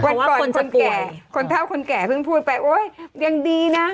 เพราะว่าคนเท่าคนแก่เพิ่งพูดไปโอ๊ยยังดีนะ